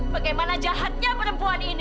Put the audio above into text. bagaimana jahatnya perempuan ini